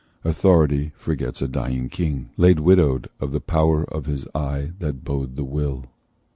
Authority forgets a dying king, Laid widowed of the power in his eye That bowed the will.